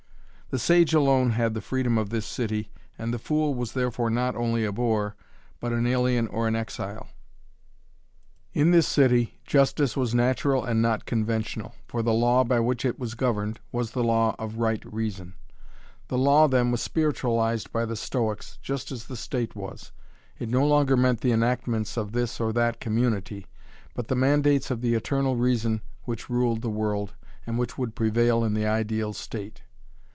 The sage alone had the freedom of this city and the fool was therefore not only a boor, but an alien or an exile. In this city, Justice was natural and not conventional, for the law by which it was governed was the law of right reason. The law then was spiritualised by the Stoics, just as the state was. It no longer meant the enactments of this or that community, but the mandates of the eternal reason which ruled the world and which would prevail in the ideal state.